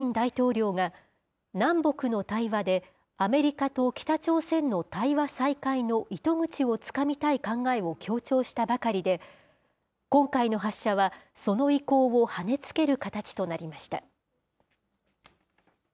おとといには、韓国のムン・ジェイン大統領が、南北の対話でアメリカと北朝鮮の対話再開の糸口をつかみたい考えを強調したばかりで、今回の発射は、その意向をはねつける形となりました。